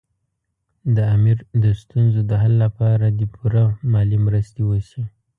د امیر د ستونزو د حل لپاره دې پوره مالي مرستې وشي.